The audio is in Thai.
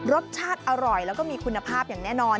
รสชาติอร่อยแล้วก็มีคุณภาพอย่างแน่นอน